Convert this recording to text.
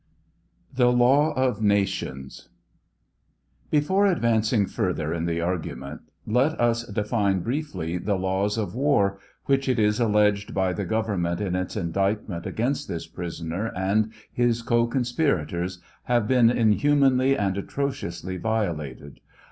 THE LAW OF NATIONS. Before advancing further in the argument, let us define briefly the laws of war, which, it is alleged by the government in its indictment against this pris oner and his co conspirators, have been inhumanly and atrociously violated.